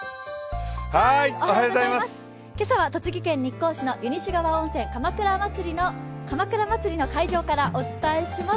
今朝は栃木県日光市の湯西川温泉、かまくら祭の会場からお伝えします。